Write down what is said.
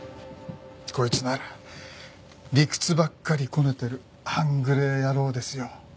こいつなら理屈ばっかりこねてる半グレ野郎ですよ。